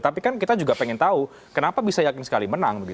tapi kan kita juga pengen tahu kenapa bisa yakin sekali menang